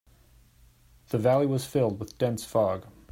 The valley was filled with dense fog.